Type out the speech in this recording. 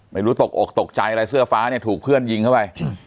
ตกอกตกใจอะไรเสื้อฟ้าเนี่ยถูกเพื่อนยิงเข้าไป